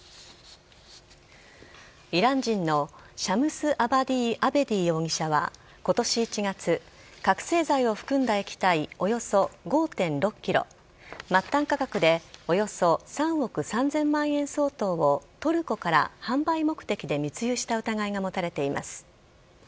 イラン人のシャムスアバディ・アベディ容疑者は今年１月、覚醒剤を含んだ液体およそ５．６ｋｇ末端価格でおよそ３億３０００万円相当をトルコから販売目的で密輸した疑いが持たれています。